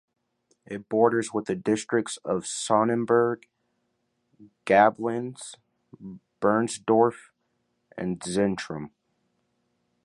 It borders with the districts of Sonnenberg, Gablenz, Bernsdorf, and Zentrum.